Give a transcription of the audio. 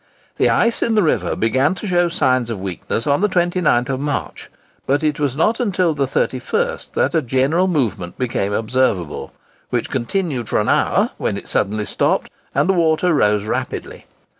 The ice in the river began to show signs of weakness on the 29th March, but it was not until the 31st that a general movement became observable, which continued for an hour, when it suddenly stopped, and the water rose rapidly.